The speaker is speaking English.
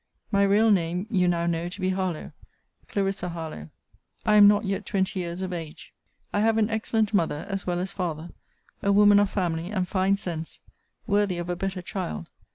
'My real name you now know to be Harlowe: Clarissa Harlowe. I am not yet twenty years of age. 'I have an excellent mother, as well as father; a woman of family, and fine sense worthy of a better child!